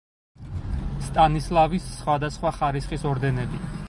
სტანისლავის სხვადასხვა ხარისხის ორდენები.